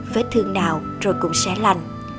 vết thương nào rồi cũng sẽ lành